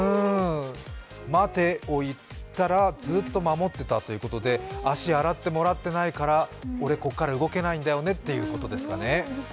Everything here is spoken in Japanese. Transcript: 「待て」を言ったらずっと守ってたということで足洗ってもらってないから俺、ここから動けないんだよねということですかね。